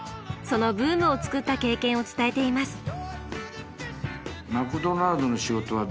そのブームをつくった経験を伝えています。